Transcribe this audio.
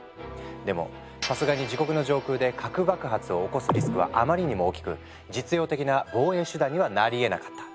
でもさすがに自国の上空で核爆発を起こすリスクはあまりにも大きく実用的な防衛手段にはなり得なかった。